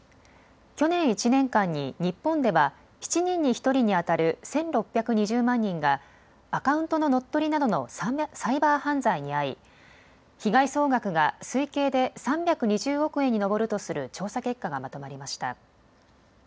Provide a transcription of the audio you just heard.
去年１年間に日本では７人に１人にあたる１６２０万人がアカウントの乗っ取りなどのサイバー犯罪にあい被害総額が推計で３２０億円に上るとする調査結果がまとまりました。